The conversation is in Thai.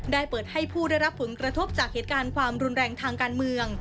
ได้เปิดให้ผู้ได้รับผลกระทบจากเหตุการณ์ความรุนแรงทางการเมือง